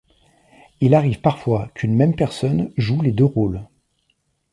Il arrive parfois qu'une même personne jouent les deux rôles.